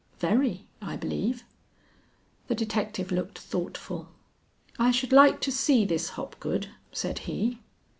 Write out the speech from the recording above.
"Very, I believe." The detective looked thoughtful. "I should like to see this Hopgood," said he.